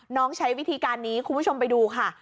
ใช้วิธีการนี้คุณผู้ชมไปดูค่ะ